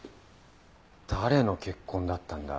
誰の血痕だったんだ？